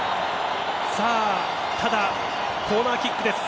ただ、コーナーキックです。